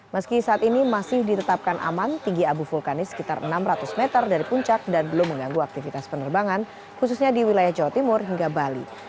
meski saat ini masih ditetapkan aman tinggi abu vulkanis sekitar enam ratus meter dari puncak dan belum mengganggu aktivitas penerbangan khususnya di wilayah jawa timur hingga bali